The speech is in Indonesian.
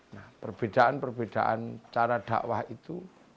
nah perbedaan perbedaan cara dakwah itu